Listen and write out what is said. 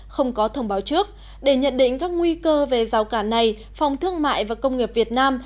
không có thông báo trước để nhận định các nguy cơ về rào cản này phòng thương mại và công nghiệp việt nam